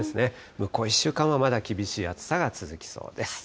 向こう１週間はまだ厳しい暑さが続きそうです。